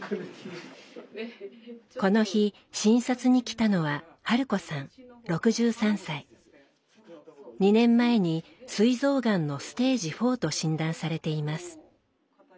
この日診察に来たのは２年前にすい臓がんのステージ４と診断されています。